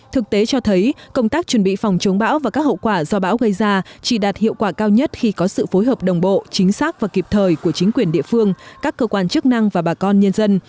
thực tế cho thấy công tác chuẩn bị phòng chống bão và các hậu quả do bão gây ra chỉ đạt hiệu quả cao nhất khi có sự phối hợp đồng bộ chính xác và kịp thời của chính quyền địa phương các cơ quan chức năng và bà con nhân dân